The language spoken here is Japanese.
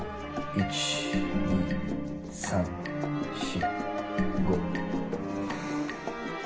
１２３４。